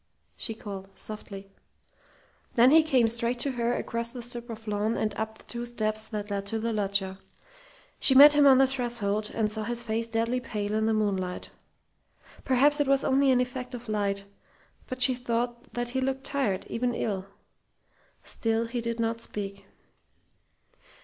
she called, softly. Then he came straight to her across the strip of lawn and up the two steps that led to the loggia. She met him on the threshold and saw his face deadly pale in the moonlight. Perhaps it was only an effect of light, but she thought that he looked tired, even ill. Still he did not speak.